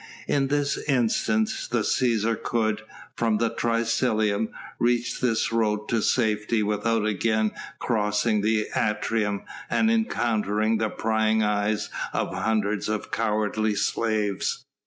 In this instance the Cæsar could, from the triclinium, reach this road to safety without again crossing the atrium and encountering the prying eyes of hundreds of cowardly slaves.